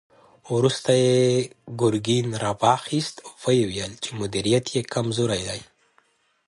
وروسته يې ګرګين را واخيست، ويې ويل چې مديريت يې کمزوری دی.